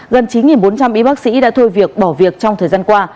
gần chín bốn trăm linh y bác sĩ đã thôi việc bỏ việc trong thời gian qua